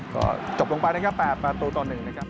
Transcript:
ก็จบลงปล่านะครับปล่าประตูต่อ๑นะครับ